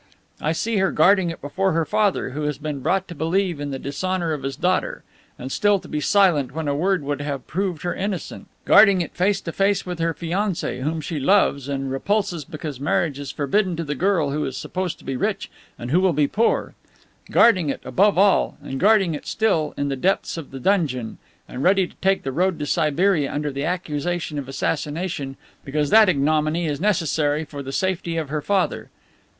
See her guarding it before her father, who has been brought to believe in the dishonor of his daughter, and still to be silent when a word would have proved her innocent; guarding it face to face with her fiance, whom she loves, and repulses because marriage is forbidden to the girl who is supposed to be rich and who will be poor; guarding it, above all and guarding it still in the depths of the dungeon, and ready to take the road to Siberia under the accusation of assassination, because that ignominy is necessary for the safety of her father.